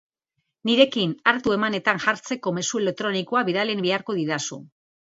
Nirekin hartu-emanetan jartzeko mezu elektronikoa bidali beharko didazu.